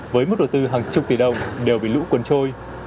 với mức đầu tư hàng chục tỷ đồng đều bị lũ cuốn trôi